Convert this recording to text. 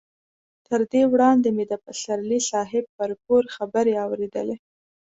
تر دې وړاندې مې د پسرلي صاحب پر کور خبرې اورېدلې.